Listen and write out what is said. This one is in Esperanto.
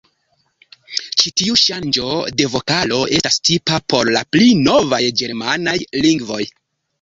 Ĉi tiu ŝanĝo de vokalo estas tipa por la pli novaj ĝermanaj lingvoj.